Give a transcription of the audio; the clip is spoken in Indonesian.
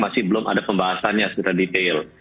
masih belum ada pembahasannya secara detail